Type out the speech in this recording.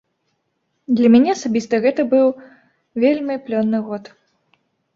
Для мяне асабіста гэта быў вельмі плённы год.